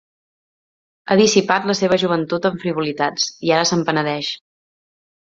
Ha dissipat la seva joventut en frivolitats, i ara se'n penedeix.